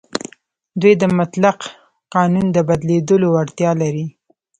دوی د مطلق قانون د بدلېدو وړتیا لري.